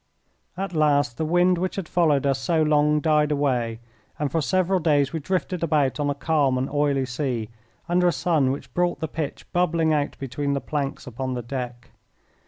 At last the wind which had followed us so long died away, and for several days we drifted about on a calm and oily sea, under a sun which brought the pitch bubbling out between the planks upon the deck.